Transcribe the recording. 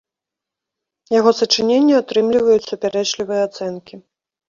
Яго сачыненні атрымліваюць супярэчлівыя ацэнкі.